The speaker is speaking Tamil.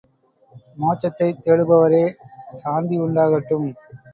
மோட்சத்தைத் தேடுபவரே சாந்தியுண்டாகட்டும்!